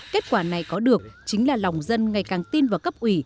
kết quả này có được chính là lòng dân ngày càng tin vào cấp ủy